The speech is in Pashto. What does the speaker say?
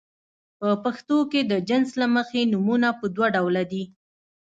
په پښتو کې د جنس له مخې نومونه په دوه ډوله دي.